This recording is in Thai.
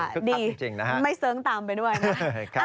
ใช่ค่ะดีไม่เสิร์ฟตามไปด้วยนะ